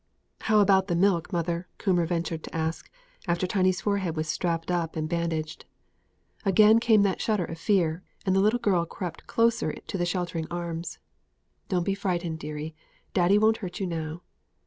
"How about the milk, mother?" Coomber ventured to ask, after Tiny's forehead was strapped up and bandaged. Again came that shudder of fear, and the little girl crept closer to the sheltering arms. "Don't be frightened, deary; daddy won't hurt you now."